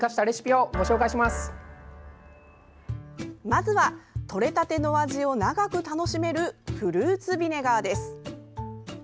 まずはとれたての味を長く楽しめるフルーツビネガーです。